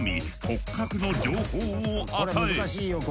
骨格の情報を与え。